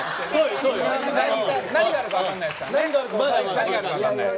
何があるか分からないですからね。